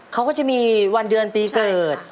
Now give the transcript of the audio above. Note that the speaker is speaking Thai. เขาก็จะมีวันเดือนปีเกิด